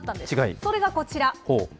それがこちら。